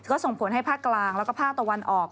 ก็ส่งผลให้ภาคกลางแล้วก็ภาคตะวันออก